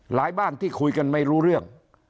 บ้านที่คุยกันไม่รู้เรื่อง